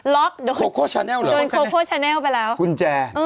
ล็อกโคโคชาแนลเหรอ